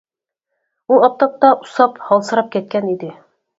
ئۇ ئاپتاپتا ئۇسساپ، ھالسىراپ كەتكەن ئىدى.